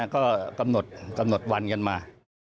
ก็กำหนดวันกันมา